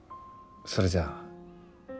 それじゃあ。